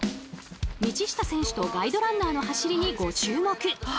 道下選手とガイドランナーの走りにご注目。